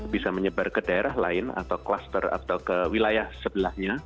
bisa menyebar ke daerah lain atau ke wilayah sebelahnya